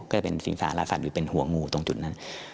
ก็จะเป็นศิลปะศาสตร์หรือเป็นหัวงูตรงจุดนั้น